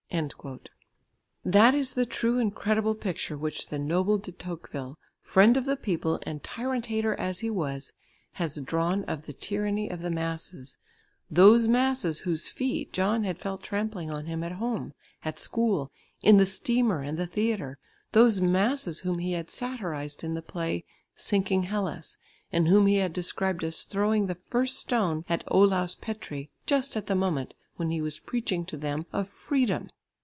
'" That is the true and credible picture which the noble De Tocqueville, friend of the people and tyrant hater as he was, has drawn of the tyranny of the masses, those masses whose feet John had felt trampling on him at home, at school, in the steamer and the theatre, those masses whom he had satirised in the play Sinking Hellas, and whom he had described as throwing the first stone at Olaus Petri just at the moment when he was preaching to them of freedom!